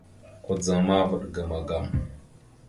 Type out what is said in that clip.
Kudzaŋ ma, vaɗ ga magam.